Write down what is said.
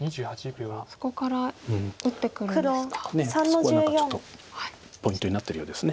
そこは何かちょっとポイントになってるようです。